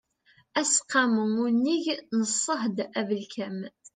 aseqqamu unnig n ṣṣehd abelkam